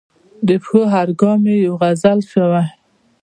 د پښو هر ګام یې یوه غزل شوې.